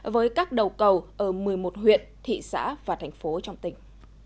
với các đầu cầu ở một mươi một huyện thị xã và thành phố trong tỉnh